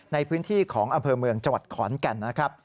ในพื้นที่ของอำเภอเมืองจังหวัดขอนแก่นนะครับ